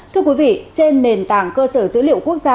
thưa quý vị trên nền tảng cơ sở dữ liệu quốc gia